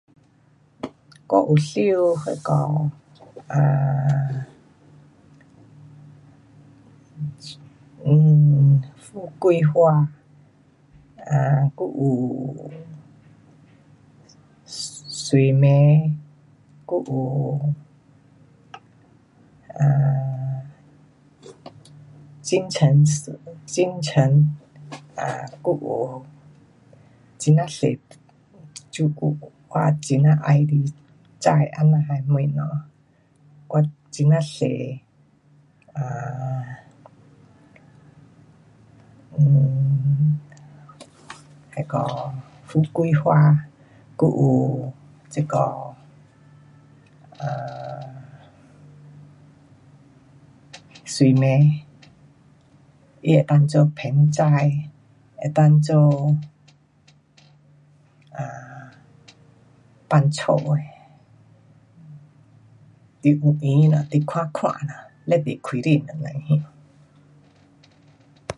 我有收那个，啊，嗯，富贵花，啊，还有水，水梅，还有，啊，金橙是，金橙，还有很呀多，我很呀喜欢种这样的东西，我很呀多，啊 嗯，那个富贵花。还有这个，啊，水梅，它能够做盆栽，能够做放家的。你有空了，你看看了，非常开心都甭晓。